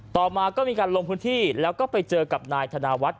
ต่อมาก็มีการลงพื้นที่แล้วก็ไปเจอกับนายธนวัฒน